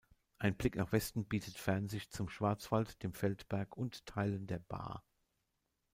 Ein Blick nach Westen bietet Fernsicht zum Schwarzwald, dem Feldberg und Teilen der Baar.